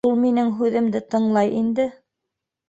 — Ул минең һүҙемде тыңлай инде.